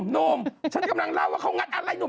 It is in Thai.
หนุ่มฉันกำลังเล่าว่าเขางัดอะไรหนุ่ม